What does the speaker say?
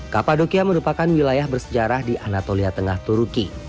kapadokia merupakan wilayah bersejarah di anatolia tengah turki